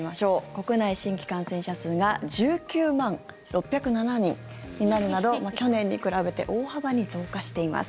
国内新規感染者数が１９万６０７人になるなど去年に比べて大幅に増加しています。